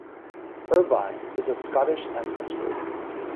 Irvine is of Scottish ancestry.